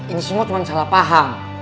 ini semua cuma salah paham